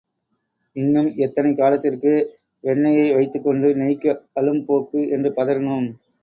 இன்னும் எத்தனை காலத்திற்கு வெண்ணெயை வைத்துக் கொண்டு நெய்க்கு அழும் போக்கு என்று பதறினோம்.